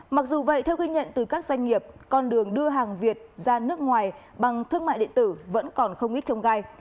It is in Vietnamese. mặc dù vậy theo ghi nhận từ các doanh nghiệp con đường đưa hàng việt ra nước ngoài bằng thương mại điện tử vẫn còn không ít trông gai